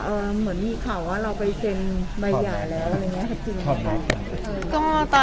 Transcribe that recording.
เอ่อเหมือนมีข่าวว่าเราไปเช็นบรรยาแล้วอะไรแบบเนี้ยค่ะจริงหรือเปล่า